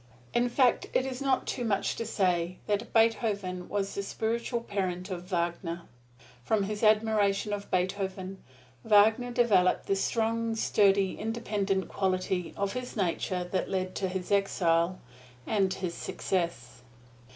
In fact it is not too much to say that Beethoven was the spiritual parent of Wagner. From his admiration of Beethoven, Wagner developed the strong, sturdy, independent quality of his nature that led to his exile and his success.